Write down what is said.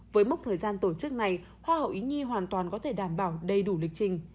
với mốc thời gian tổ chức này hoa hậu ý nhi hoàn toàn có thể đảm bảo đầy đủ lịch trình